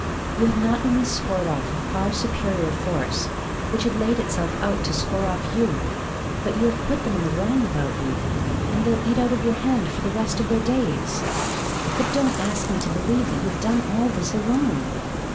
You have not only scored off a far superior force, which had laid itself out to score off you, but you have put them in the wrong about you, and they'll eat out of your hand for the rest of their days. But don't ask me to believe that you've done all this alone!